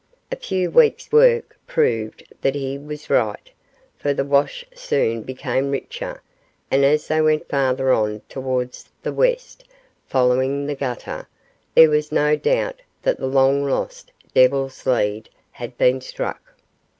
A few weeks' work proved that he was right, for the wash soon became richer; and as they went farther on towards the west, following the gutter, there was no doubt that the long lost Devil's Lead had been struck.